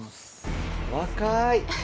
若い。